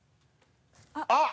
あっ。